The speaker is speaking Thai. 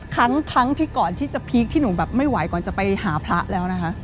ครั้งที่ก่อนที่จะพีคที่หนูแบบไม่ไหวก่อนจะไปหาพระแล้วนะคะ